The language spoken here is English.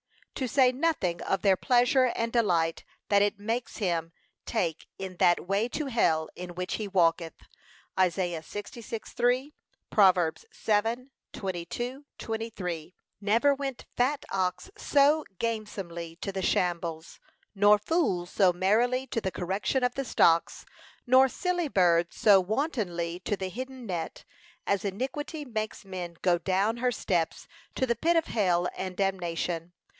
To say nothing of their pleasure and delight that it makes him take in that way to hell in which he walketh. (Isa. 66:3; Prov. 7:22, 23) Never went fat ox so gamesomely to the shambles, nor fool so merrily to the correction of the stocks, nor silly bird so wantonly to the hidden net, as iniquity makes men go down her steps to the pit of hell and damnation.